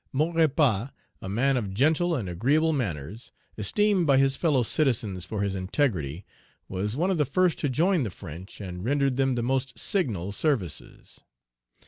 Maurepas, a man of gentle and agreeable manners, esteemed by his fellow citizens for his integrity, was one of the first to join the French, and rendered them the most signal services.